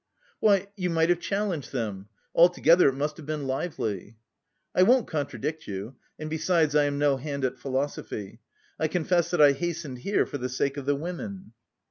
"Why, you might have challenged them... altogether it must have been lively." "I won't contradict you, and besides I am no hand at philosophy. I confess that I hastened here for the sake of the women."